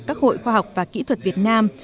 các hội khoa học và kỹ thuật việt nam